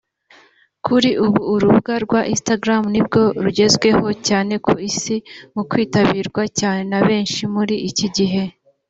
Kuri ubu urubuga rwa Instagram nibwo rugezweho cyane ku isi mu kwitabirwa cyane na benshi muri iki gihe